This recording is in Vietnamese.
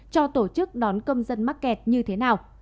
cho tổ chức đón công dân mắc kẹt như thế nào